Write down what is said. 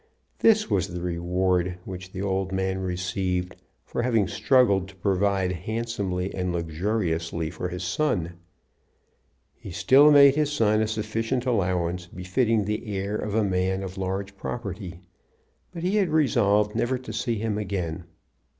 This was the reward which the old man received for having struggled to provide handsomely and luxuriously for his son! He still made his son a sufficient allowance befitting the heir of a man of large property, but he had resolved never to see him again.